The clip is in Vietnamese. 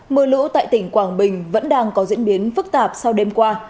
mưa lũ tại tỉnh quảng bình vẫn đang có diễn biến phức tạp sau đêm qua